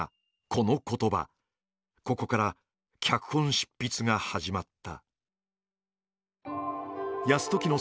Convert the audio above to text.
ここから脚本執筆が始まった。